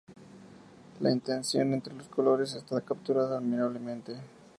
La interacción entre los colores está capturada admirablemente.